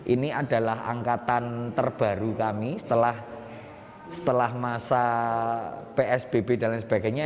ini adalah angkatan terbaru kami setelah masa psbb dan lain sebagainya